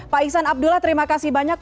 pak iksan abdullah terima kasih banyak